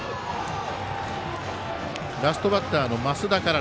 ラストバッターの増田から。